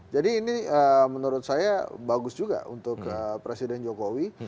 jadi ini menurut saya bagus juga untuk presiden jokowi